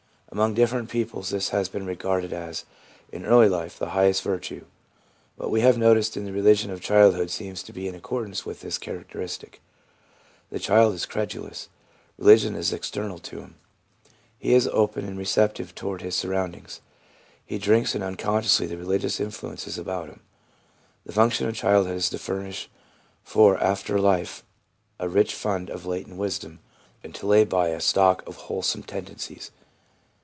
Among different peoples this has been regarded as, in early life, the highest virtue. What we have noticed in the religion of childhood seems to be in accordance with this characteristic. The child is credulous. Religion is external to him. He is open and receptive toward his surroundings ; he drinks in unconsciously the religious influences about him. The function of childhood is to furnish for after life a rich fund of latent wisdom, and to lay by a stock of wholesome tendencies.